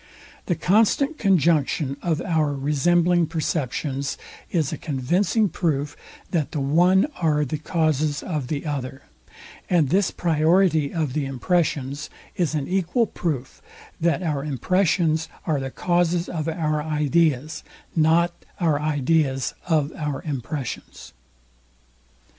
The constant conjunction of our resembling perceptions, is a convincing proof, that the one are the causes of the other; and this priority of the impressions is an equal proof, that our impressions are the causes of our ideas, not our ideas of our impressions.